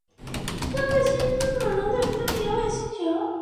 随后外星人将沃尔隆带回他们遥远的星球。